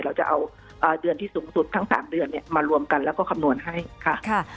เราจะเอาเดือนที่สูงสุดทั้ง๓เดือนเนี่ยมารวมกันแล้วก็คำนวณให้ค่ะ